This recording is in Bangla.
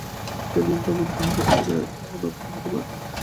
যা নিয়ম তা মানতেই হবে, কিছুতেই তার অন্যথা হতে পারে না।